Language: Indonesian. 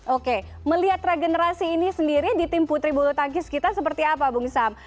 oke melihat regenerasi ini sendiri di tim putri bulu tangkis kita seperti apa bung sam